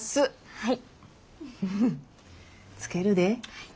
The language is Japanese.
はい。